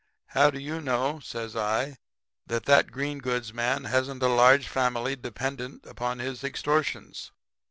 How do you know,' says I, 'that that green goods man hasn't a large family dependent upon his extortions?